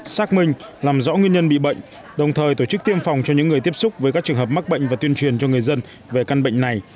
xác minh làm rõ nguyên nhân bị bệnh đồng thời tổ chức tiêm phòng cho những người tiếp xúc với các trường hợp mắc bệnh và tuyên truyền cho người dân về căn bệnh này